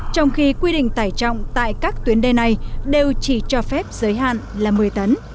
trong khi quy định tải trọng tại các tuyến đê này đều chỉ cho phép giới hạn là một mươi tấn